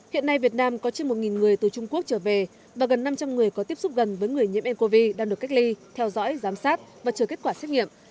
hiện nay việt nam có trên một người từ trung quốc trở về và gần năm trăm linh người có tiếp xúc gần với người nhiễm ncov đang được cách ly theo dõi giám sát và chờ kết quả xét nghiệm